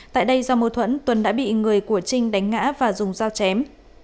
tại đây do mô thuẫn tuấn đã bị người của trinh đánh ngã và dùng dao chém